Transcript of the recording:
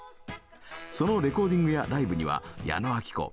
そのレコーディングやライブには矢野顕子山下